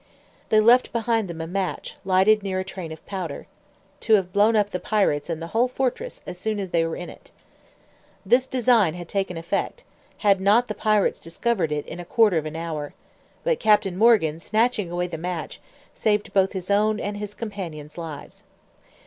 They left behind them a match lighted near a train of powder, to have blown up the pirates and the whole fortress as soon as they were in it. This design had taken effect, had not the pirates discovered it in a quarter of an hour; but Captain Morgan snatching away the match, saved both his own and his companions' lives.